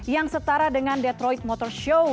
yang setara dengan detroit motor show